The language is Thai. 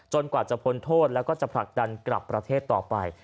กว่าจะพ้นโทษแล้วก็จะผลักดันกลับประเทศต่อไป